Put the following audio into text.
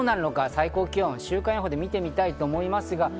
最高気温、週間予報で見てみたいと思います。